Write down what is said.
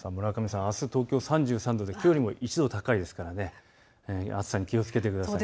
あす東京３３度できょうよりも１度高いですから暑さに気をつけてください。